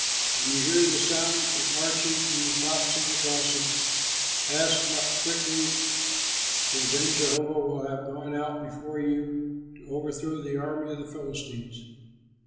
When you hear the sound of marching in the tops of the balsams, act quickly, for then Jehovah will have gone out before you to overthrow the army of the Philistines."